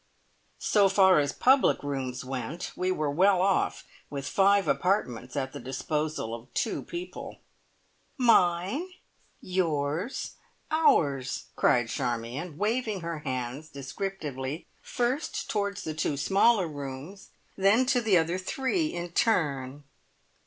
So far as public rooms went, we were well off with five apartments at the disposal of two people. "Mine! yours! ours!" cried Charmion, waving her hands descriptively, first towards the two smaller rooms, and then to the other three in turn.